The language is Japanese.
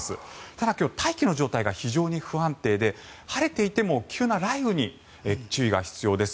ただ、今日大気の状態が非常に不安定で晴れていても急な雷雨に注意が必要です。